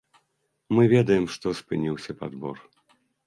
Мы ведаем, што спыніўся падбор.